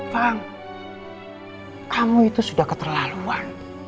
bang kamu itu sudah keterlaluan